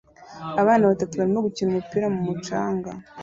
Abana batatu barimo gukina umupira mumucanga